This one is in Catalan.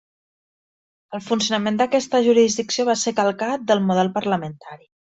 El funcionament d'aquesta jurisdicció va ser calcat del model parlamentari.